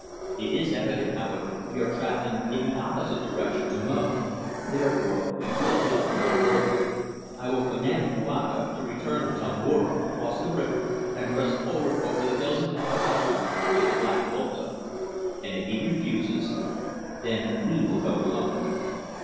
It is evident, however, we are travelling in the opposite direction to Mo, therefore we will go no further. I will command Kouaga to return to Tomboura, cross the river, and press forward over the hills of Dabagakha to the Black Volta." "And if he refuses?" "Then we will go alone."